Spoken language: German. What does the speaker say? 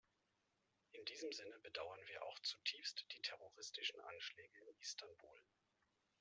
In diesem Sinne bedauern wir auch zutiefst die terroristischen Anschläge in Istanbul.